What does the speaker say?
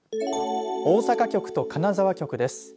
大阪局と金沢局です。